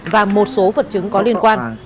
và một số vật chứng có liên quan